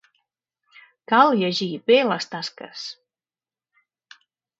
Cal llegir bé les tasques.